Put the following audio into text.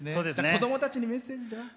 子どもたちにメッセージ、じゃあ。